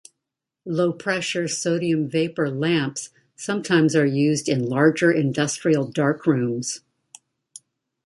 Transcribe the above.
Low-pressure sodium vapour lamps sometimes are used in larger industrial darkrooms.